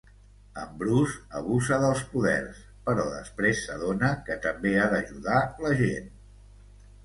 En Bruce abusa dels poders, però després s'adona que també ha d'ajudar la gent.